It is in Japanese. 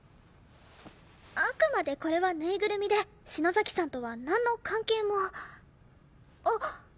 あくまでこれはぬいぐるみで篠崎さんとはなんの関係も。あっ。